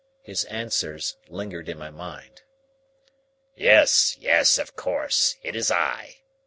His answers lingered in my mind. "Yes, yes, of course, it is I....